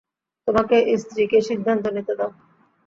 তোমার স্ত্রীকে সিদ্ধান্ত নিতে দাও।